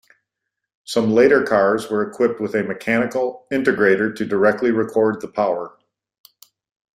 Some later cars were equipped with a mechanical integrator to directly record the power.